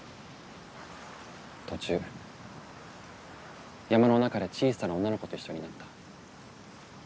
途中山の中で小さな女の子と一緒になった。